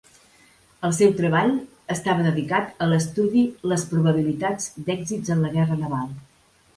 El seu treball estava dedicat a l’estudi les probabilitats d'èxits en la guerra naval.